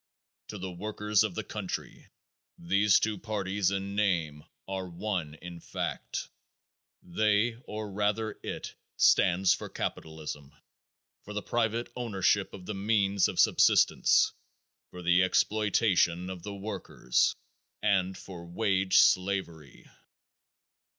To the workers of the country these two parties in name are one in fact. They, or rather, it, stands for capitalism, for the private ownership of the means of subsistence, for the exploitation of the workers, and for wage slavery.